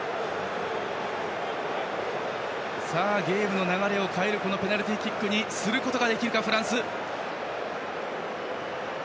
ゲームの流れを変えるペナルティーキックにできるかフランス。